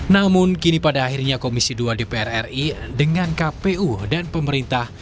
namun kini pada akhirnya komisi dua dpr ri dengan kpu dan pemerintah